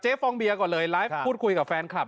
ฟองเบียก่อนเลยไลฟ์พูดคุยกับแฟนคลับ